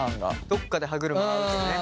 どっかで歯車合うとね。